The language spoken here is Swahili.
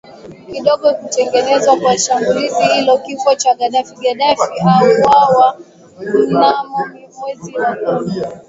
kidogo kutekelezwa kwa shambulizi hilo Kifo cha Gaddafi Gaddafi auawa mnamo mwezi wa kumi